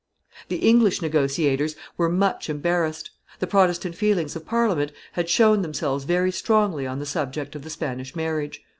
The English negotiators were much embarrassed; the Protestant feelings of Parliament had shown themselves very strongly on the subject of the Spanish marriage.